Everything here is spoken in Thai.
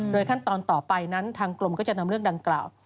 ขั้นตอนต่อไปนั้นทางกรมก็จะนำเรื่องดังกล่าว